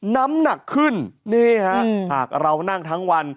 น้ำหนักขึ้นนี่ฮะหากเรานั่งทั้งวัน